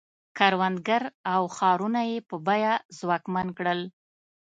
کروندګر او ښارونه یې په بیه ځواکمن کړل.